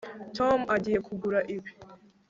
Tom agiye kugura ibi